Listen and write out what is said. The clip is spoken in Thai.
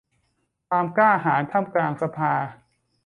ความกล้าหาญท่ามกลางสภา